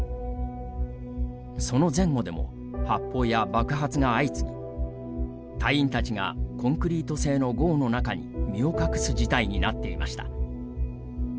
その前後でも発砲や爆発が相次ぎ隊員たちがコンクリート製のごうの中に身を隠す事態になっていました。